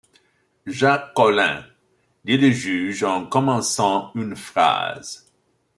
Jacques Collin... dit le juge en commençant une phrase.